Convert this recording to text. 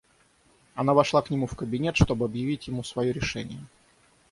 Она вошла к нему в кабинет, чтоб объявить ему свое решение.